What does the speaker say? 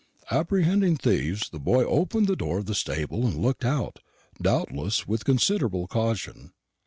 Apprehending thieves, the boy opened the door of the stable and looked out, doubtless with considerable caution.